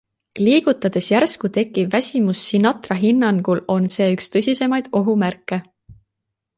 Liigutades järsku tekkiv väsimus Sinatra hinnangul on see üks tõsisemaid ohumärke.